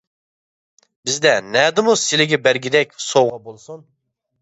بىزدە نەدىمۇ سىلىگە بەرگىدەك سوۋغا بولسۇن؟ !